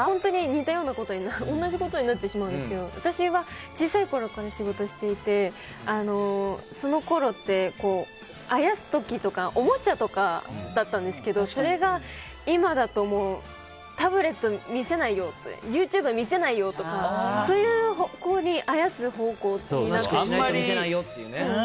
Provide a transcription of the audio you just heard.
似たようなことになってしまうんですけど私は小さいころから仕事をしていてそのころって、あやす時とかおもちゃとかだったんですけどそれが今だとタブレット見せないよとかＹｏｕＴｕｂｅ見せないよとかそういう方向にあやす方向になっているのが。